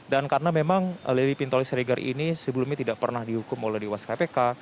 dan karena memang lili pintauli siregar ini sebelumnya tidak pernah dihukum oleh dewas kpk